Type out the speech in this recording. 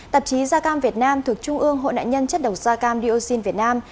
tạp chí gia cam việt nam thuộc trung ương hội nạn nhân chất độc gia cam dioxin việt nam